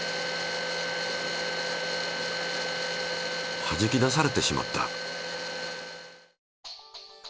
はじき出されてしまった。